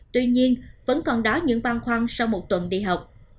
tuy nhiên vẫn còn đó những băng khoăn sau một tuần đi học